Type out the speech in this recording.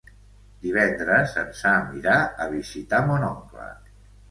Divendres en Sam irà a visitar mon oncle.